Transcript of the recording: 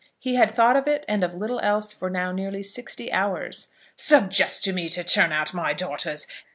He had thought of it and of little else for now nearly sixty hours. "Suggest to me to turn out my daughters!